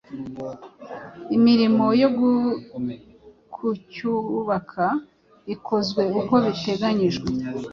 imirimo yo kucyubaka ikozwe uko biteganyijwe.